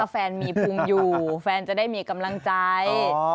แฟนมีภูมิอยู่แฟนจะได้มีกำลังใจ